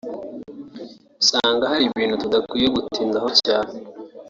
usanga hari ibintu tudakwiye gutindaho cyane